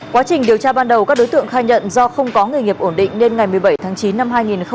quá trình điều tra ban đầu các đối tượng khai nhận do không có nghề nghiệp ổn định nên ngày một mươi bảy tháng chín năm hai nghìn hai mươi